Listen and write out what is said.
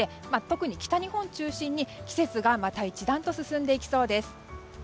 特に北日本中心に季節が一段と進んでいきそうです。